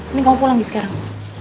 ini kamu pulang nih sekarang